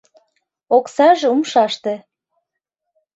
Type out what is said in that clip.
— Оксаже умшаште...